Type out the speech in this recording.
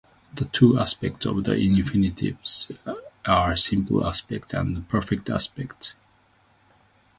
The two aspects of the infinitive are the simple aspect and the perfect aspect.